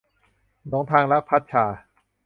หลงทางรัก - พัดชา